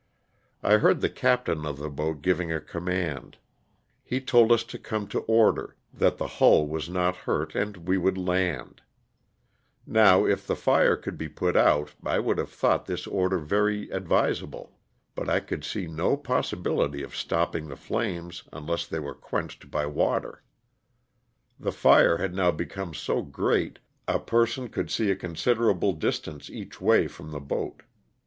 I heard the captain of the boat giving a command, lie told us to come to order, that the hull was not hurt and we would land. Now, if the lire could be put out I would have thought this order very advis L0S8 OF TiiK :;r;j/rANA. 171 able, but 1 oould w/n no pOHHibllity of ntopping tho i]ixm(iH un\(iHH thoy wore qu(;no}jOfi by water. The firo had now become ho great a pernon eouJd nee a considerable diatance each way from the boat.